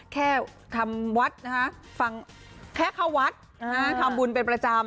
แค่ทำวัดนะคะฟังแค่เข้าวัดทำบุญเป็นประจำ